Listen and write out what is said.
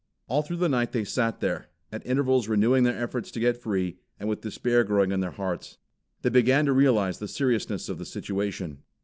All through the night they sat there, at intervals renewing their efforts to get free, and with despair growing in their hearts. They began to realize the seriousness of the situation.